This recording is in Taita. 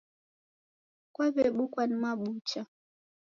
Kwaw'ebukwa ni mabucha.